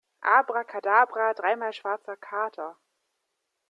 Abrakadabra, dreimal schwarzer Kater!